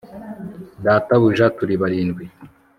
Databuja turi barindwi